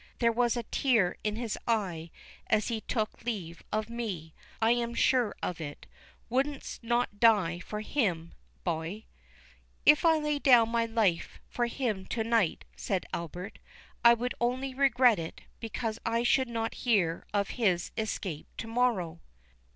There was a tear in his eye as he took leave of me—I am sure of it. Wouldst not die for him, boy?" "If I lay my life down for him to night," said Albert, "I would only regret it, because I should not hear of his escape to morrow."